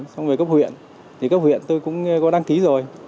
xong rồi cấp huyện thì cấp huyện tôi cũng có đăng ký rồi